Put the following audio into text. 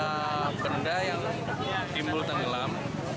ada benda yang timbul dan gelap